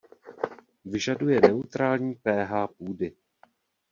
Vyžaduje neutrální pH půdy.